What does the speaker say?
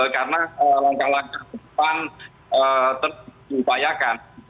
karena langkah langkah depan terupayakan